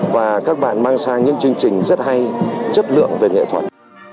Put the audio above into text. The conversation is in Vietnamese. và các bạn mang sang những chương trình rất hay chất lượng về nghệ thuật